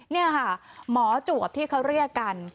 นี่ค่ะหมอจวบที่เขาเรียกกัน